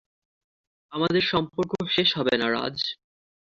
আমাদের সম্পর্ক শেষ হবে না, রাজ।